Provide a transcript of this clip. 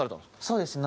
そうですね。